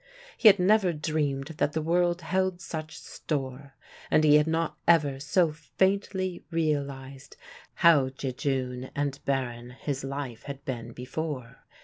He had never dreamed that the world held such store, and he had not ever so faintly realized how jejune and barren his life had been before.